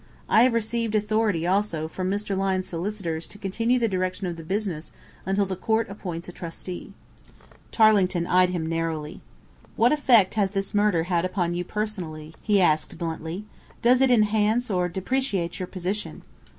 I have received authority also from Mr. Lyne's solicitors to continue the direction of the business until the Court appoints a trustee." Tarling eyed him narrowly. "What effect has this murder had upon you personally?" he asked bluntly. "Does it enhance or depreciate your position?"